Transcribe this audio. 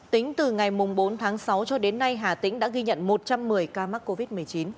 tính từ ngày bốn tháng sáu cho đến nay hà tĩnh đã ghi nhận một trăm một mươi ca mắc covid một mươi chín